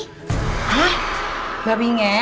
hah babi ngepet